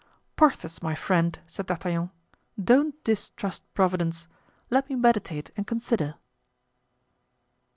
"Porthos, my friend," said D'Artagnan, "don't distrust Providence! Let me meditate and consider."